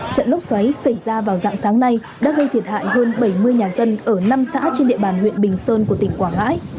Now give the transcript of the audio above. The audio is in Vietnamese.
trận lốc xoáy xảy ra vào dạng sáng nay đã gây thiệt hại hơn bảy mươi nhà dân ở năm xã trên địa bàn huyện bình sơn của tỉnh quảng ngãi